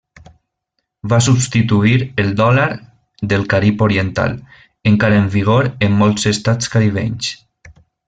Va substituir el dòlar del Carib Oriental, encara en vigor en molts estats caribenys.